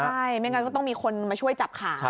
ใช่ไม่งั้นก็ต้องมีคนมาช่วยจับขา